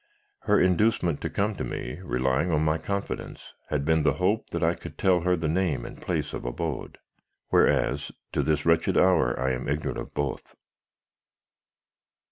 Her inducement to come to me, relying on my confidence, had been the hope that I could tell her the name and place of abode. Whereas, to this wretched hour I am ignorant of both.